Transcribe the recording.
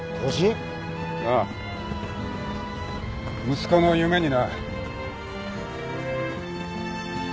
息子の夢にな。